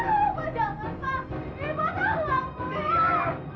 aisyah kita pergi ya